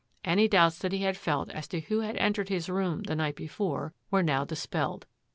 Any doubts that he had felt as to who had entered his room the night be fore were now dispelled.